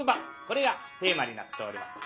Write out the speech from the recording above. これがテーマになっております。